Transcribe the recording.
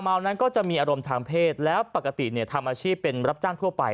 เมานั้นก็จะมีอารมณ์ทางเพศแล้วปกติเนี่ยทำอาชีพเป็นรับจ้างทั่วไป